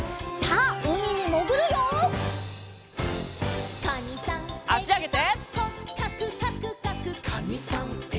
あしあげて。